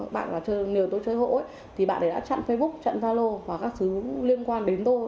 bạn là người tôi chơi hộ thì bạn ấy đã chặn facebook chặn zalo và các thứ liên quan đến tôi